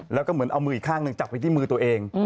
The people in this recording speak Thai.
แล้วก็เหมือนเอามืออีกข้างหนึ่งจับไปที่มือตัวเอง